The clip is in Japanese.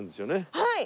はい。